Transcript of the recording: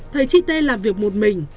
thầy chị t làm việc một mình